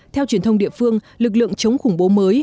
theo truyền thông địa phương lực lượng chống khủng bố mới